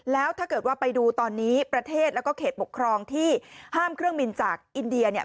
แล้วถ้าเกิดว่าไปดูตอนนี้ประเทศแล้วก็เขตปกครองที่ห้ามเครื่องบินจากอินเดียเนี่ย